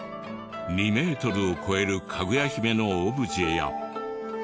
２メートルを超えるかぐや姫のオブジェや。